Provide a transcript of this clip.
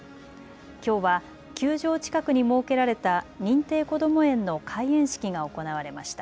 きょうは球場近くに設けられた認定こども園の開園式が行われました。